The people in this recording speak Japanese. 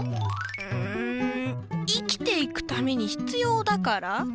うん生きていくためにひつようだから？